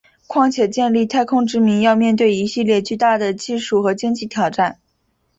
况且建立太空殖民要面对一系列巨大的技术和经济挑战。